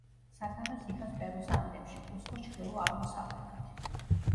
სათავეს იღებს პერუს ანდებში, კუსკოს ჩრდილო-აღმოსავლეთით.